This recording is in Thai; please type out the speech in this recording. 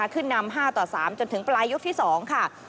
ขึ้นนำ๕ต่อ๓จนถึงปลายยกที่๒ค่ะ